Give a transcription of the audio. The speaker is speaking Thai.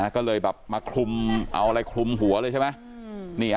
ก็เลยแบบมาคลุมเอาอะไรคลุมหัวเลยใช่ไหม